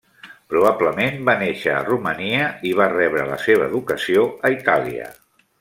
Probablement va néixer a Romania i va rebre la seva educació a Itàlia.